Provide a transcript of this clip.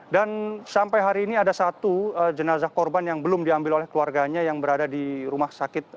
sampai hari ini ada satu jenazah korban yang belum diambil oleh keluarganya yang berada di rumah sakit